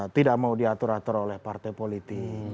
tidak mau diatur atur oleh partai politik